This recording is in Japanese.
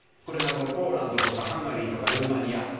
これがポーランドとかハンガリーとかルーマニア。